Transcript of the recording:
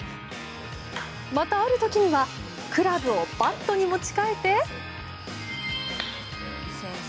またある時にはクラブをバットに持ち替えて。